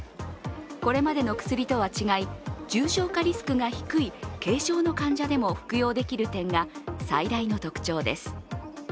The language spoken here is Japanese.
これまでの薬とは違い重症化リスクが低い軽症の患者でも服用できる点が最大の特徴です。